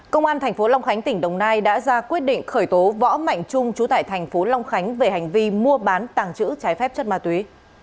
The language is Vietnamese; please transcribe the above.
công an tp long khánh tỉnh đồng nai đã ra quyết định khởi tố võ mạnh trung chú tại thành phố long khánh về hành vi mua bán tàng trữ trái phép chất ma túy